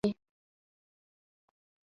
غریزه بیولوژیکي نه دی.